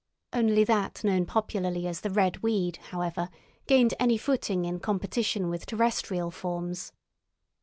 Only that known popularly as the red weed, however, gained any footing in competition with terrestrial forms.